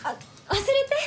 忘れて。